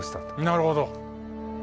なるほど。